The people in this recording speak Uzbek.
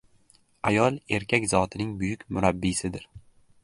Ayol erkak zotining buyuk murabbiysidir.